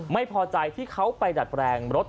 ไม่พอใจที่เขาไปดัดแปลงรถ